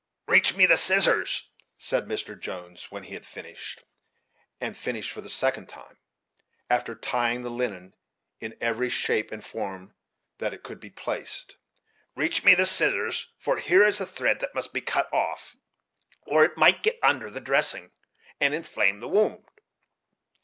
"Reach me the scissors," said Mr. Jones, when he had finished, and finished for the second time, after tying the linen in every shape and form that it could be placed; "reach me the scissors, for here is a thread that must be cut off, or it might get under the dressings, and inflame the wound.